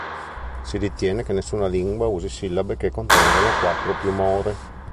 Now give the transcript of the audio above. Si ritiene che nessuna lingua usi sillabe che contengono quattro o più more.